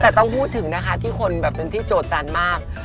แต่ต้องพูดถึงนะคะที่คนแบบเป็นที่โจทย์มาก